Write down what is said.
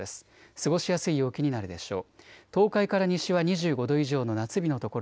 過ごしやすい陽気になるでしょう。